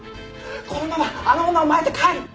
このままあの女をまいて帰る！